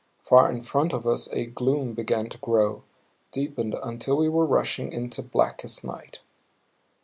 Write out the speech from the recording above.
Far in front of us a gloom began to grow; deepened until we were rushing into blackest night.